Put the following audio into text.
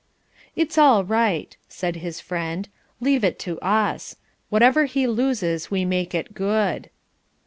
"It's all right," said his friend. "Leave it to us. Whatever he loses, we make it good."